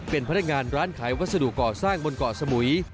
เป็นพนักงานร้านขายวัสดุก่อสร้างบนเกาะสมุย